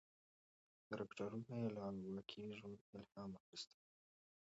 کرکټرونه یې له واقعي ژوند الهام اخیستی و.